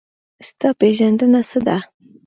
ستا پېژندنه څه ده؟